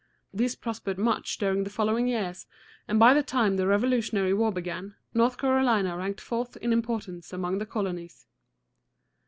These prospered much during the following years, and by the time the Revolutionary War began, North Carolina ranked fourth in importance among the colonies.